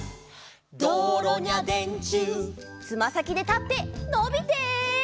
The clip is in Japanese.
「どうろにゃでんちゅう」「つまさきで立ってのびて」